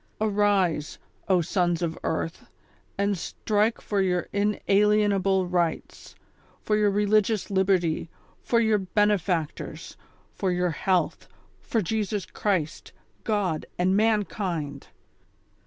Arise, O sons of eai"th, and strike for your inalienable rights, for your religious liberty, for your benefactors, for 156 THE SOCIAL M'AR OF 1900; OR, your health, for Jesus Christ, God and iMankind